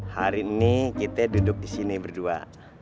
hari ini kita duduk di sini berdua